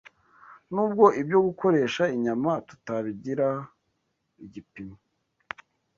Nubwo ibyo gukoresha inyama tutabigira igipimo